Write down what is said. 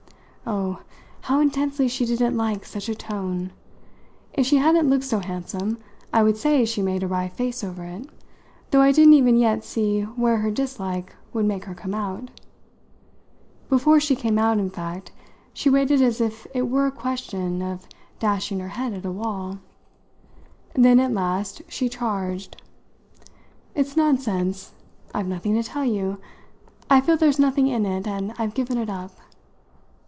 Oh, how intensely she didn't like such a tone! If she hadn't looked so handsome I would say she made a wry face over it, though I didn't even yet see where her dislike would make her come out. Before she came out, in fact, she waited as if it were a question of dashing her head at a wall. Then, at last, she charged. "It's nonsense. I've nothing to tell you. I feel there's nothing in it and I've given it up."